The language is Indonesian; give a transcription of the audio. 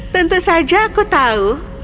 tentu saja aku tahu